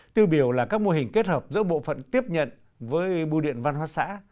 tiêu biểu là các mô hình kết hợp giữa bộ phận tiếp nhận với bưu điện văn hóa xã